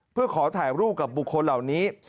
เพื่อขอถ่ายรูปกับบุคคลเหล่านี้